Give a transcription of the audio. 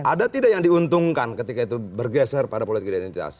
ada tidak yang diuntungkan ketika itu bergeser pada politik identitas